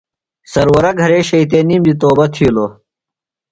سرورہ گھرے شیطینیم دی توبہ تِھیلوۡ۔